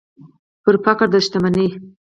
پر فقر د شتمنۍ